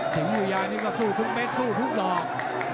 สิงห์บุรีานี่ก็สู้ทุกเม็ดสู้ทุกดอก